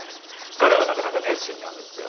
彼はなかなか熱心なんですよ。